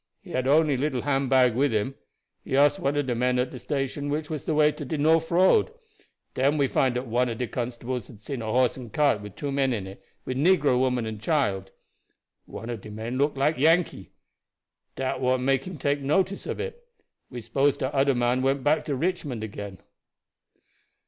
He had only little hand bag with him. He ask one of de men at de station which was de way to de norf road. Den we find dat one of de constables hab seen a horse and cart wid two men in it, with negro woman and child. One of de men look like Yankee dat what make him take notice of it. We s'pose dat oder man went back to Richmond again."